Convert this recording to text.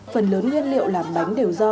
phần lớn nguyên liệu làm bánh đều do